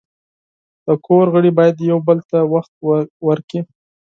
د کور غړي باید یو بل ته وخت ورکړي.